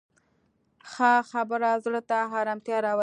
ښه خبره زړه ته ارامتیا راولي